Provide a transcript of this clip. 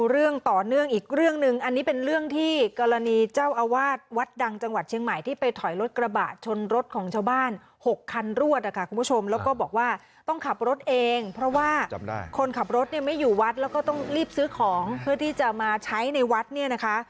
เรื่องต่อเนื่องอีกเรื่องหนึ่งอันนี้เป็นเรื่องที่กรณีเจ้าอาวาสวัดดังจังหวัดเชียงใหม่ที่ไปถอยรถกระบะชนรถของชาวบ้าน๖คันรวดนะคะคุณผู้ชมแล้วก็บอกว่าต้องขับรถเองเพราะว่าคนขับรถเนี่ยไม่อยู่วัดแล้วก็ต้องรีบซื้อของเพื่อที่จะมาใช้ในวัดเนี่ยนะคะ